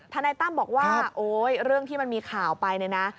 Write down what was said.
ธนายตั้มบอกว่าเรื่องที่มันมีข่าวไปนะ